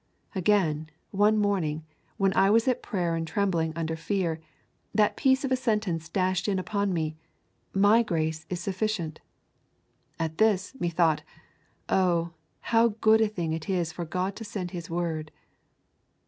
. Again, one morning, when I was at prayer and trembling under fear, that piece of a sentence dashed in upon me: My grace is sufficient. At this, methought: Oh, how good a thing it is for God to send His word!